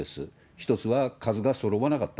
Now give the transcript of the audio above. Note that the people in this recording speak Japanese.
１つは数がそろわなかった。